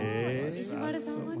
石丸さんはね